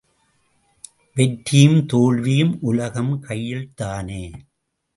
வெற்றியும் தோல்வியும் உலகம் கையில்தானே!